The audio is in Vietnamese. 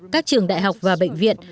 các trường đại học và bệnh viện